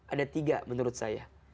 ada tiga menurut saya